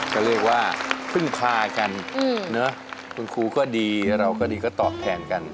ก็เรียกว่าพึ่งพากันคุณครูก็ดีเราก็ดีก็ตอบแทนกัน